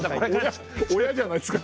親じゃないですか。